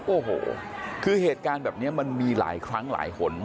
โอ้โหคือเหตุการณ์แบบนี้มันมีหลายครั้งหลายหน